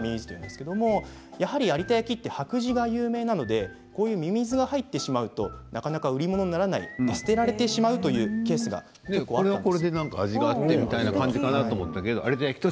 やはり有田焼は白磁が有名なのでミミズが入ってしまうとなかなか売り物にならない捨てられてしまうというケースがあります。